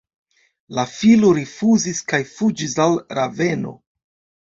La filo rifuzis kaj fuĝis al Raveno.